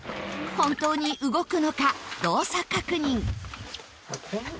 本当に動くのか動作確認。